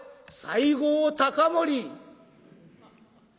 「西郷隆盛？